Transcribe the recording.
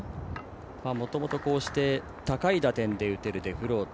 もともと高い打点で打てるデフロート。